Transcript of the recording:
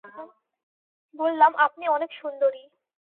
বললাম আপনি অনেক সুন্দরী।